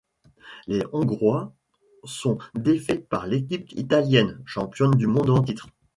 Les Hongrois sont défaits par l'équipe italienne, championne du monde en titre.